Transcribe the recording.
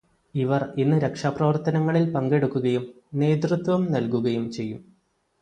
ഇവർ ഇന്ന് രക്ഷാപ്രവർത്തനങ്ങളിൽ പങ്കെടുക്കുകയും നേതൃത്വം നൽകുകയും ചെയ്യും.